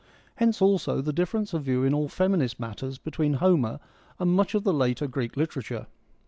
Hence also the difference of view in all feminist matters between Homer and much of the later Greek literature.